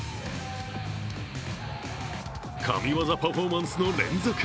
神業パフォーマンスの連続。